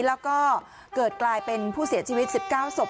แล้วก็เกิดกลายเป็นผู้เสียชีวิต๑๙ศพ